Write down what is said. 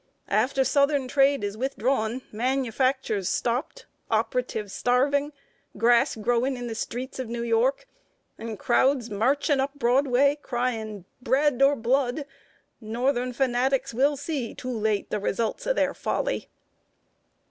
After Southern trade is withdrawn, manufactures stopped, operatives starving, grass growing in the streets of New York, and crowds marching up Broadway crying 'Bread or Blood!' northern fanatics will see, too late, the results of their folly."